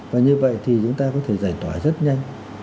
và như vậy thì chúng ta có thể giải tỏa rất nhanh